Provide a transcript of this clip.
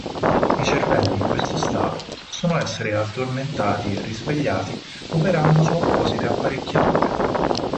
I cervelli in questo stato possono essere "addormentati" e risvegliati operando su apposite apparecchiature.